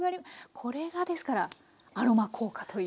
これがですからアロマ効果という。